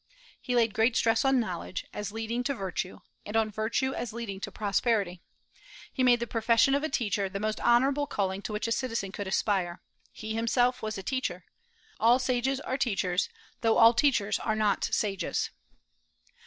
He laid great stress on knowledge, as leading to virtue; and on virtue, as leading to prosperity. He made the profession of a teacher the most honorable calling to which a citizen could aspire. He himself was a teacher. All sages are teachers, though all teachers are not sages.